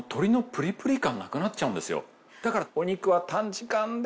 だから。